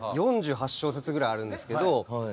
４８小節ぐらいあるんですけど。